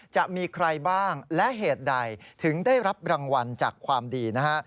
จะมีใครบ้างและเหตุใดถึงได้รับรางวัลจากความดีนะฮะ